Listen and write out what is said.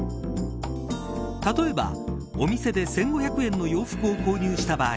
例えば、お店で１５００円の洋服を購入した場合